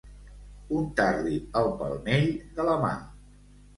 Untar-li el palmell de la mà.